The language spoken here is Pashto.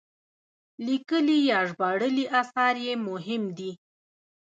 لیکلي یا ژباړلي اثار یې مهم دي.